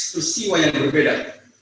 peristiwa yang berbeda